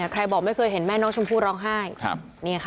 ใครบอกไม่เคยเห็นแม่น้องชมพู่ร้องไห้